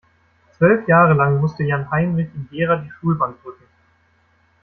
Zwölf Jahre lang musste Jan-Heinrich in Gera die Schulbank drücken.